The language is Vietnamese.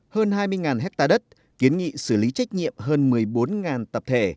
hơn hai mươi hectare đất kiến nghị xử lý trách nhiệm hơn một mươi bốn tập thể